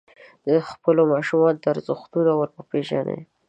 خپلو ماشومانو ته ارزښتونه وروپېژنئ.